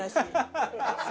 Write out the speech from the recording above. ハハハハ！